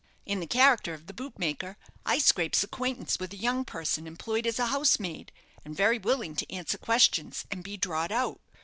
In the character of the bootmaker, I scrapes acquaintance with a young person employed as housemaid, and very willing to answer questions, and be drawed out.